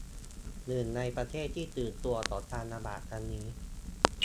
หนึ่งในประเทศที่ตื่นตัวต่อการระบาดครั้งนี้